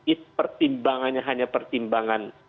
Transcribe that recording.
is pertimbangannya hanya pertimbangan